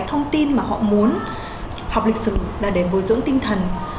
thông tin mà họ muốn học lịch sử là để bồi dưỡng tinh thần